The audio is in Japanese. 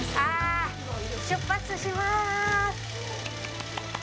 あぁ、出発します！